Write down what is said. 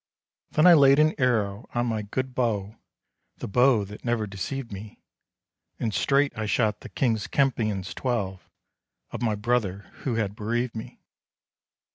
Then I laid an arrow on my good bow, The bow that never deceived me; And straight I shot the King's Kempions twelve, Of my brother who had bereaved me.